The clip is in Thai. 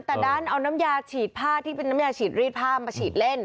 แต่ด้านเอาน้ำยาฉีดผ้าที่เป็นน้ำยาฉีดรีดผ้ามาฉีดเล่น